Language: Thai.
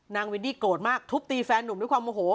วินดี้โกรธมากทุบตีแฟนหนุ่มด้วยความโมโห